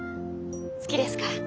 好きですから。